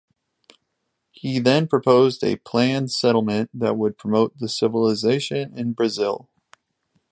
He then proposed a planned settlement that would promote the civilization in Brazil.